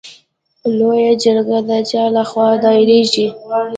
لویه جرګه د چا له خوا دایریږي؟